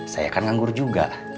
saya kan nganggur juga